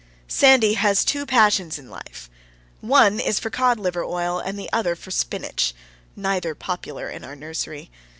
Sandy has two passions in life: one is for cod liver oil and the other for spinach, neither popular in our nursery.